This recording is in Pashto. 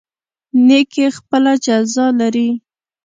نیکي خپله جزا لري